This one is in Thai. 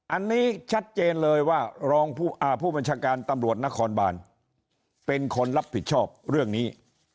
อันนี้ชัดเจนเลยว่ารองผู้บัญชาการตำรวจนครบานเป็นคนรับผิดชอบเรื่องนี้